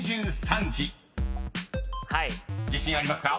［自信ありますか？］